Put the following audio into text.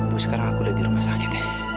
bu sekarang aku lagi rumah sakit